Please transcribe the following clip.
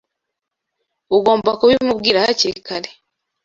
Ugomba kubimubwira hakiri kare.